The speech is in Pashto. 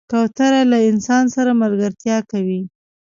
کوتره له انسان سره ملګرتیا کوي.